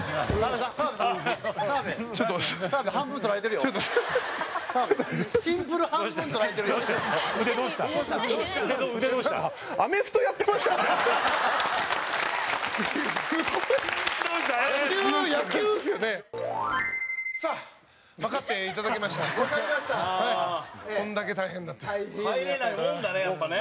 山崎：入れないもんだねやっぱね。